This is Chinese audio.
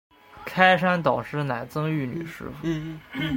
开山导师乃曾玉女师傅。